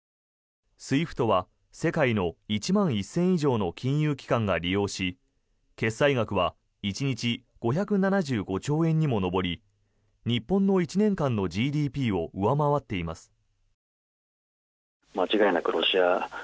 ＳＷＩＦＴは世界の１万１０００以上の金融機関が利用し決済額は１日５７５兆円にも上り日本の１年間のＧＤＰを上回っています。